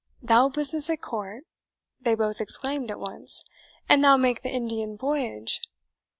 "Thou business at court!" they both exclaimed at once, "and thou make the Indian voyage!"